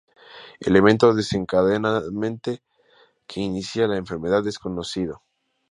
El evento desencadenante que inicia la enfermedad es desconocido.